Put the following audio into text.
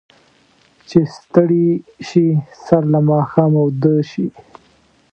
چې ستړي شي، سر له ماښامه اوده شي.